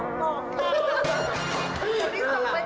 เนี่ยอะไร